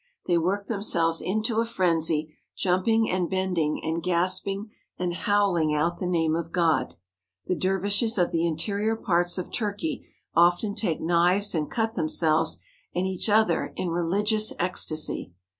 They work themselves into a frenzy, jumping and bending, and gasping and howling out the name of God. The dervishes of the interior parts of Turkey often take knives and cut themselves and each other in religious ecstasy.